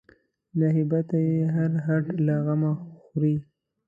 له هیبته یې هر هډ له غمه خوري